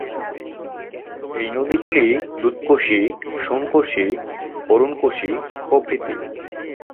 এই নদী গুলি দুধ কোশী, সোন কোশী, অরুন কোশী, প্রভৃতি।